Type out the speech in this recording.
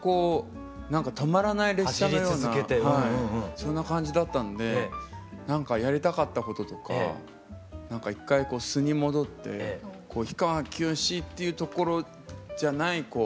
そんな感じだったんでなんかやりたかったこととかなんか一回素に戻って氷川きよしっていうところじゃないこう